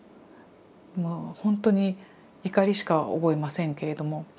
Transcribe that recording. もうほんとに怒りしか覚えませんけれども。